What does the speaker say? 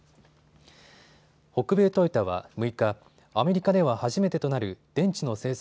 北米トヨタは６日、アメリカでは初めてとなる電池の生産